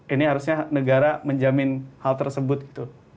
ini harusnya negara menjamin hal tersebut gitu